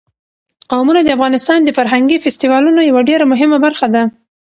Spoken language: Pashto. قومونه د افغانستان د فرهنګي فستیوالونو یوه ډېره مهمه برخه ده.